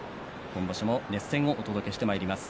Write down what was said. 熱戦をお届けしてまいります。